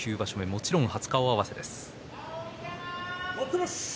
もちろん初顔合わせです。